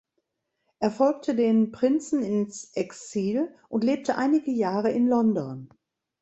Er folgte den Prinzen ins Exil und lebte einige Jahre in London.